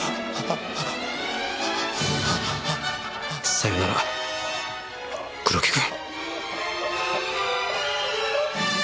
さよなら黒木君。